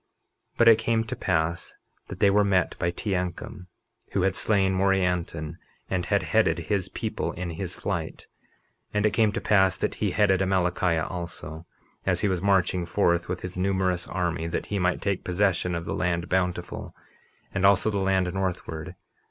51:29 But it came to pass that they were met by Teancum, who had slain Morianton and had headed his people in his flight. 51:30 And it came to pass that he headed Amalickiah also, as he was marching forth with his numerous army that he might take possession of the land Bountiful, and also the land northward.